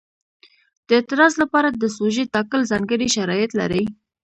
د اعتراض لپاره د سوژې ټاکل ځانګړي شرایط لري.